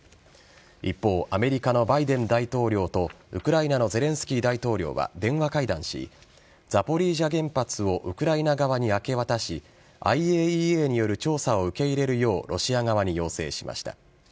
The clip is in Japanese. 一方アメリカのバイデン大統領とウクライナのゼレンスキー大統領は電話会談しザポリージャ原発をウクライナ側に明け渡しＩＡＥＡによる調査を受け入れるようロシア側に要請しました。